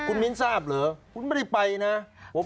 แล้วคุณมิ้นท์ทราบเหรอคุณไม่ได้ไปนะครับ